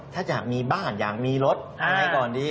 ถ้าจะมีบ้านอยากมีรถอะไรก่อนดี